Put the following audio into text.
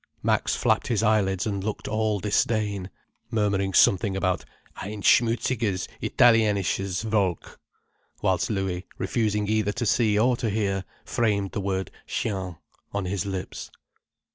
Max flapped his eyelids and looked all disdain, murmuring something about "ein schmutziges italienisches Volk," whilst Louis, refusing either to see or to hear, framed the word "chien" on his lips.